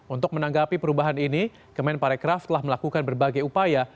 untuk menanggapi perubahan ini kemen parekraf telah melakukan berbagai upaya